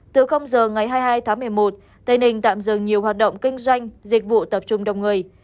từ giờ ngày hai mươi hai tháng một mươi một tây ninh tạm dừng nhiều hoạt động kinh doanh dịch vụ tập trung đông người